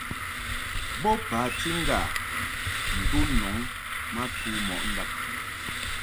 Bo bati ŋga to nɔŋ ma tu mɔʼ ndab.